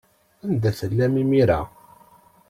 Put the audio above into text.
Anda tellam imir-a?